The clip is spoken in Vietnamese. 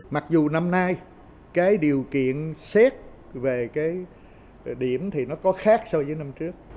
mặc dù năm nay cái điều kiện xét về cái điểm thì nó có khác so với năm trước